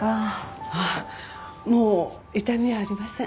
あっもう痛みはありません。